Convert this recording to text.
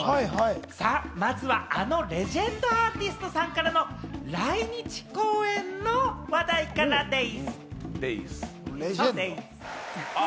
まずはあのレジェンドアーティストさんからの来日公演の話題からでぃす！